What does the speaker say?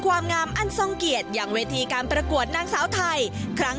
ความงามอันทรงเกียรติอย่างเวทีการประกวดนางสาวไทยครั้ง